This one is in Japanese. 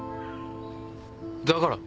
だから。